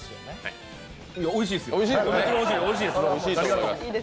おいしいっす。